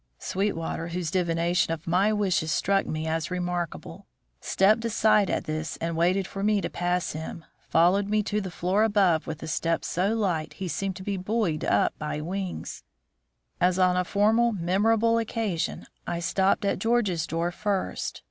Sweetwater, whose divination of my wishes struck me as remarkable, stepped aside at this, and, waiting for me to pass him, followed me to the floor above with a step so light he seemed to be buoyed up by wings. As on a former memorable occasion, I stopped at George's door first.